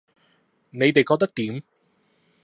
你哋覺得點